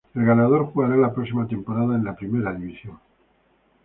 El ganador jugará la próxima temporada en la Primera División.